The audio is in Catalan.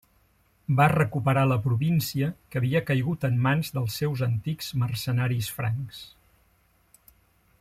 Va recuperar la província que havia caigut en mans dels seus antics mercenaris francs.